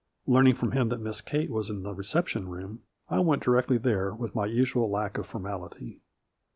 Learning from him that Miss Kate was in the reception room, I went directly there with my usual lack of formality.